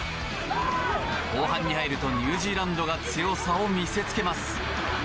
後半に入るとニュージーランドが強さを見せつけます。